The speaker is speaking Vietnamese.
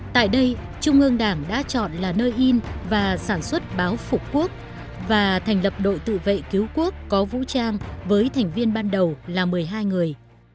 tại đây trung ương đảng đã chọn là nơi in và sản xuất báo phục quốc và thành lập đội tự vệ cứu quốc có vũ trang với thành viên ban đầu là một mươi hai người